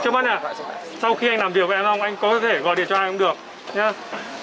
chấp hành ạ sau khi anh làm việc với em không thì anh có thể gọi điện cho ai cũng được nhé